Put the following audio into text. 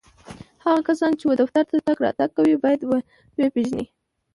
هغه کسان چي و دفتر ته تګ راتګ کوي ، باید و یې پېژني